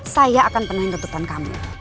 saya akan penuhi ketupan kamu